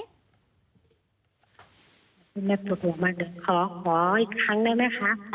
คุณแม่พูดลงมาเดี๋ยวฮอฮออีกครั้งใช่ไหมคะ